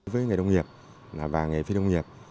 với nghề nông nghiệp và nghề phi nông nghiệp